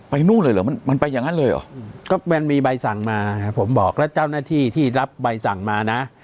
นู่นเลยเหรอมันมันไปอย่างนั้นเลยเหรอก็มันมีใบสั่งมาผมบอกแล้วเจ้าหน้าที่ที่รับใบสั่งมานะ